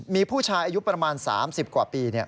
มีผู้ชายอายุประมาณ๓๐กว่าปี